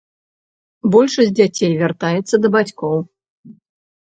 Большасць дзяцей вяртаецца да бацькоў.